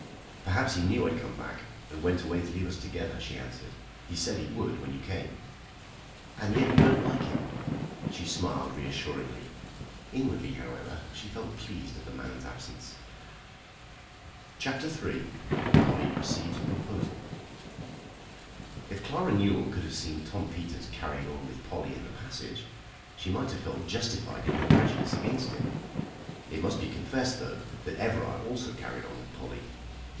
"Perhaps he knew I'd come back, and went away to leave us together," she answered. "He said he would when you came." "And yet you say you don't like him!" She smiled reassuringly. Inwardly, however, she felt pleased at the man's absence. CHAPTER III. POLLY RECEIVES A PROPOSAL. If Clara Newell could have seen Tom Peters carrying on with Polly in the passage, she might have felt justified in her prejudice against him. It must be confessed, though, that Everard also carried on with Polly.